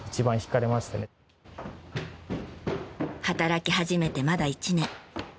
働き始めてまだ１年。